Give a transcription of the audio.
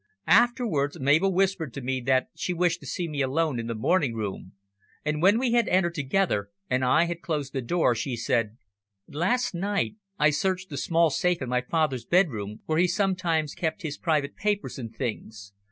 Afterwards, Mabel whispered to me that she wished to see me alone in the morning room, and when we had entered together and I had closed the door, she said "Last night I searched the small safe in my father's bedroom where he sometimes kept his private papers and things.